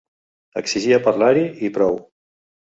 Exigia parlar-hi i prou.